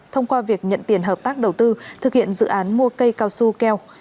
thông qua việc nhận tiền hợp tác đầu tư thực hiện dự án mua cây cao su keo